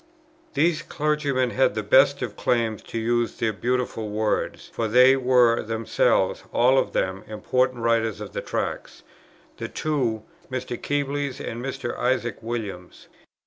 These clergymen had the best of claims to use these beautiful words, for they were themselves, all of them, important writers in the Tracts, the two Mr. Kebles, and Mr. Isaac Williams.